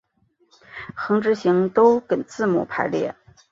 横直行都跟字母排列。